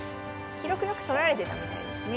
記録よく取られてたみたいですね。